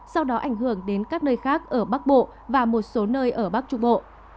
sau đó ảnh hưởng đến các nơi khác ở bắc bộ và một số nơi ở bắc trung bộ